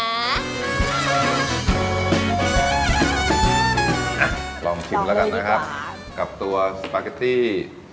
อ่ะลองชิมแล้วกันนะครับกับตัวสปาเกตตี้